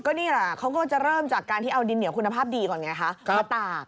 นี่แหละเขาก็จะเริ่มจากการที่เอาดินเหนียวคุณภาพดีก่อนไงคะมาตาก